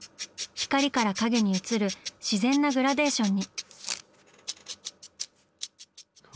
光から影に移る自然なグラデーションに。